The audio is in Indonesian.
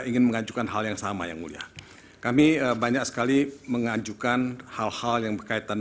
ingin mengajukan hal yang sama yang mulia kami banyak sekali mengajukan hal hal yang berkaitan